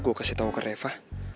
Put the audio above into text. gue kasih tau ke reva